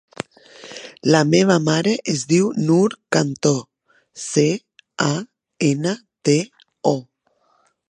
La meva mare es diu Noor Canto: ce, a, ena, te, o.